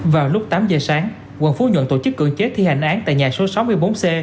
vào lúc tám giờ sáng quận phú nhuận tổ chức cưỡng chế thi hành án tại nhà số sáu mươi bốn c